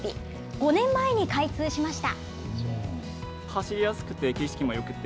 ５年前に開通しました。